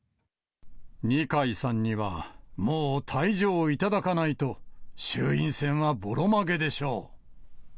二階さんには、もう退場いただかないと、衆院選はぼろ負けでしょう。